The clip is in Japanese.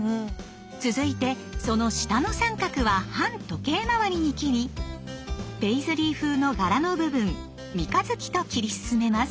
続いてその下の三角は反時計まわりに切りペイズリー風の柄の部分三日月と切り進めます。